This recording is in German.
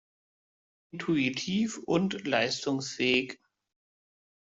Intuitiv und leistungsfähig.